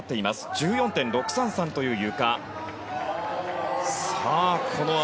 １４．６３３というゆかの得点。